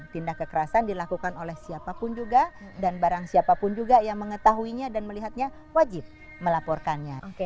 tindak kekerasan dilakukan oleh siapapun juga dan barang siapapun juga yang mengetahuinya dan melihatnya wajib melaporkannya